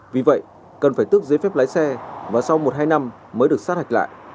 vì vậy cần phải tước giấy phép lái xe và sau một hai năm mới được sát hạch lại